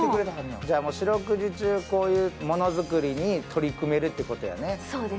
四六時中こういうものづくりに取り組めるってことやね。